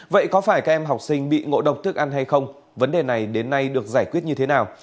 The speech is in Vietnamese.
vậy có phải các em học sinh bị ngộ độc thức ăn hay không vấn đề này đến nay được giải quyết như thế nào